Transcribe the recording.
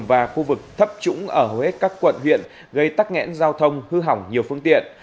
và khu vực thấp trũng ở hết các quận huyện gây tắc nghẽn giao thông hư hỏng nhiều phương tiện